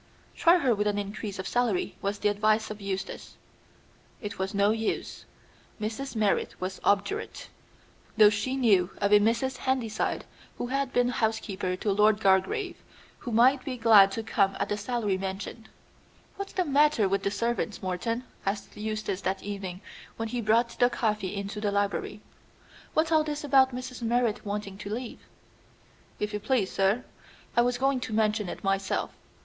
"Try her with an increase of salary," was the advice of Eustace. It was no use. Mrs. Merrit was obdurate, though she knew of a Mrs. Handyside who had been housekeeper to Lord Gargrave, who might be glad to come at the salary mentioned. "What's the matter with the servants, Morton?" asked Eustace that evening when he brought the coffee into the library. "What's all this about Mrs. Merrit wanting to leave?" "If you please, sir, I was going to mention it myself.